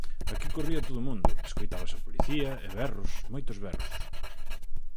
Aquí corría todo o mundo, escoitábase á policía e berros, moitos berros.